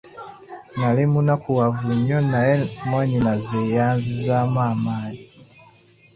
Nali munakuwavu nnyo naye mwannyinaze yanzizaamu amaanyi.